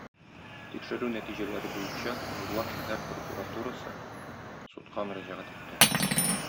Тикшерү нәтиҗәләре буенча, Нурлат шәһәр прокуратурасы судка мөрәҗәгать итте.